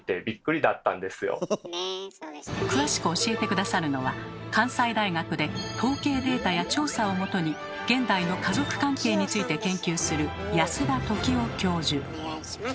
詳しく教えて下さるのは関西大学で統計データや調査をもとに現代の家族関係について研究するただいま。